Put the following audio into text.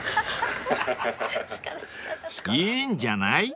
［いいんじゃない？